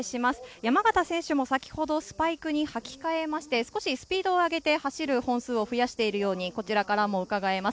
山縣選手も先ほどスパイクに履き替えまして、少しスピードを上げて走る本数を増やしてるようにうかがえます。